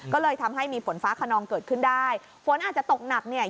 ก็เลยทำให้มีฝนฟ้าขนองเกิดขึ้นได้ฝนอาจจะตกหนักเนี่ย